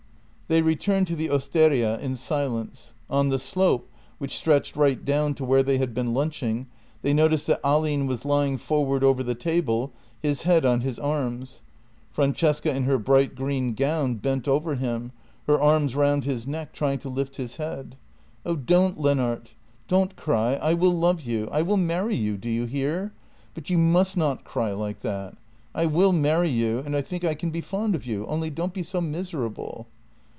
They returned to the osteria in silence; on the slope, which stretched right down to where they had been lunching, they noticed that Ahlin was lying forward over the table, his head on his arms. Francesca in her bright green gown bent over him, her arms round his neck, trying to lift his head. "Oh, don't, Lennart! Don't cry. I will love you. I will marry you — do you hear? — but you must not cry like that. I will marry you, and I think I can be fond of you, only don't be so miserable."